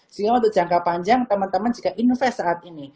sehingga untuk jangka panjang teman teman jika invest saat ini